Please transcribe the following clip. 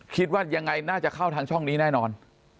คิดว่ายังไงน่าจะเข้าทางช่องนี้แน่นอน